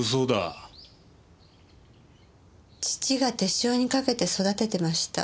父が手塩にかけて育ててました。